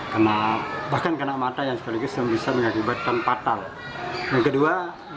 karena bahkan kena mata yang sekaligus yang bisa mengakibatkan patah yang kedua